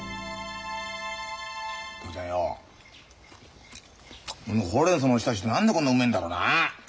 父ちゃんよこのホウレンソウのお浸しって何でこんなうめえんだろうな。